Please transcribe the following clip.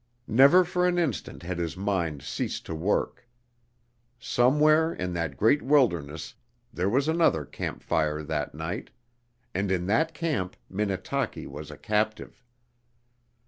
Never for an instant had his mind ceased to work. Somewhere in that great wilderness there was another camp fire that night, and in that camp Minnetaki was a captive.